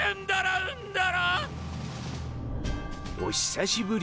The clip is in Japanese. お久しぶり。